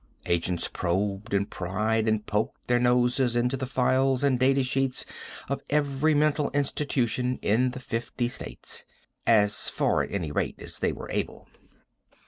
Agents probed and pried and poked their noses into the files and data sheets of every mental institution in the fifty states as far, at any rate, as they were able.